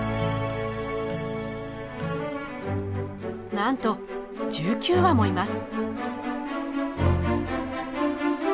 なんと１９羽もいます。